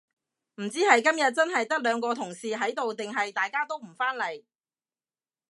唔知係今日真係得兩個同事喺度定係大家都唔返嚟